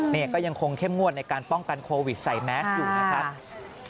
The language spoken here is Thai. นี่ก็ยังคงเข้มงวดในการป้องกันโควิดใส่แมสอยู่นะครับ